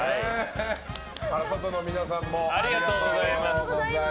外の皆さんもありがとうございます。